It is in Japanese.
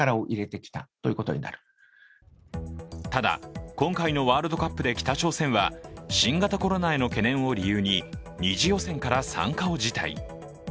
ただ、今回のワールドカップで北朝鮮は、新型コロナへの懸念を理由に２次予選から参加を辞退。